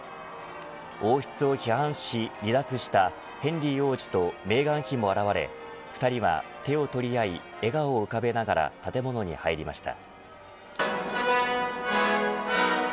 王室を批判し離脱したヘンリー王子とメーガン妃も現れ２人は手を取り合い笑顔を浮かべながら建物に入りました。